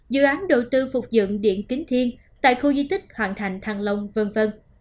dự án đầu tư phục dựng điện kính thiên tại khu di tích hoàng thành thăng long v v